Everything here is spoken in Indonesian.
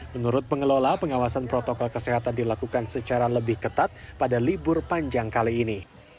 menurut pengelola pengawasan protokol kesehatan dilakukan secara lebih ketat pada libur panjang kali ini